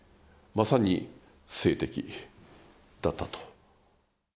まさに政敵だったと。